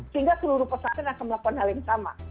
sehingga seluruh pesantren akan melakukan hal yang sama